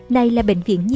này là bệnh viện đồng khởi